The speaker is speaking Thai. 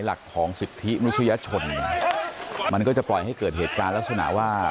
หลักของสิทธิมนุษยชนมันก็จะปล่อยให้เกิดเหตุการณ์ลักษณะว่า